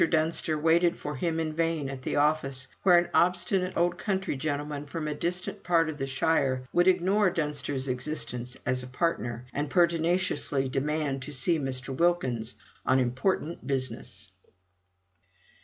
Dunster waited for him in vain at the office, where an obstinate old country gentleman from a distant part of the shire would ignore Dunster's existence as a partner, and pertinaciously demanded to see Mr. Wilkins on important business.